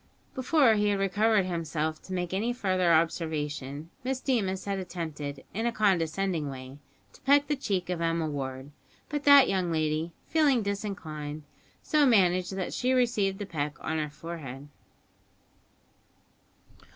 Before he had recovered himself to make any further observation, Miss Deemas had attempted, in a condescending way, to peck the cheek of Emma Ward; but that young lady, feeling disinclined, so managed that she received the peck on her forehead.